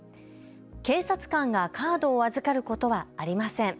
警察官がカードを預かることはありません。